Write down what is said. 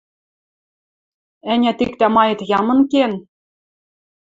– Ӓнят, иктӓ-маэт ямын кен...